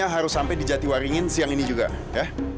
harus sampai di jatiwaringin siang ini juga ya